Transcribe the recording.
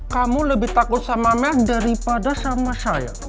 kamu lebih takut sama mer daripada sama saya